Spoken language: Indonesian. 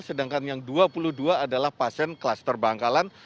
sedangkan yang dua puluh dua adalah pasien kelas terbangkalan